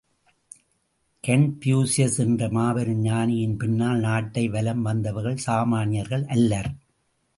Confucius என்ற மாபெரும் ஞானியின் பின்னால் நாட்டை வலம் வந்தவர்கள் சாமான்யர்கள் அல்லர்!